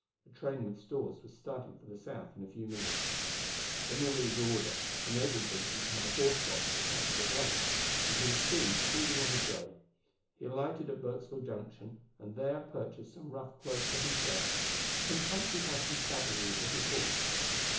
A train with stores was starting for the south in a few minutes; General Lee's order enabled Vincent to have a horse box attached at once, and he was soon speeding on his way. He alighted at Burksville Junction, and there purchased some rough clothes for himself and some country fashioned saddlery for his horse.